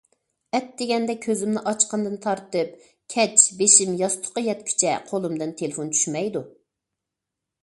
ئەتىگەندە كۆزۈمنى ئاچقاندىن تارتىپ كەچ بېشىم ياستۇققا يەتكۈچە قولۇمدىن تېلېفون چۈشمەيدۇ.